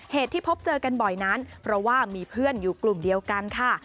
เหตุที่พบเจอกันบ่อยนั้นเพราะว่ามีเพื่อนอยู่กลุ่มเดียวกันค่ะ